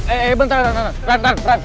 eh bentar ran